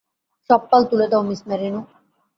সব পাল তুলে দাও, মিস মেরিনো!